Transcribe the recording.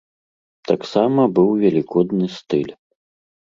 Таксама быў велікодны стыль.